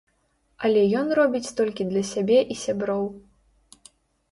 Але ён робіць толькі для сябе і сяброў.